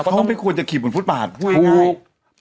เขาไม่ควรจะขี่บุญพุธบาทพูดง่าย